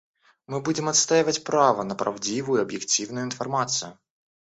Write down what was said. Мы будем отстаивать право на правдивую и объективную информацию.